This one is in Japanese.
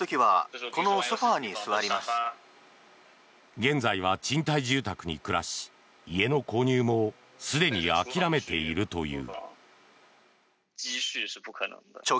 現在は賃貸住宅に暮らし家の購入もすでに諦めているという。